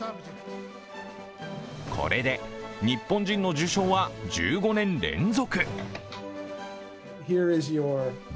これで日本人の受賞は１５年連続。